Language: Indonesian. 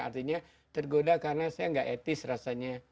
artinya tergoda karena saya nggak etis rasanya